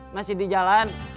masih di jalan